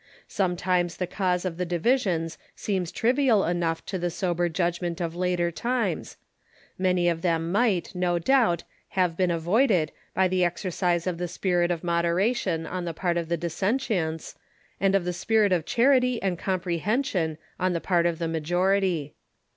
Sometimes the cause of the divisions seems trivial enough to the sober judgment of later times. Many of them might, no doubt, have been avoided by the exercise of the spirit of moderation on the part of the dissentients, and of the spirit of charity and comprehension on the part of the majority.